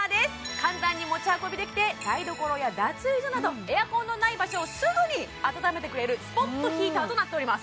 簡単に持ち運びできて台所や脱衣所などエアコンのない場所をすぐにあたためてくれるスポットヒーターとなっております